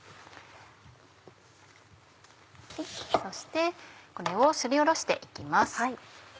そしてこれをすりおろして行きます。